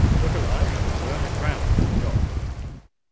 Look alive—and you'll earn a crown by the job."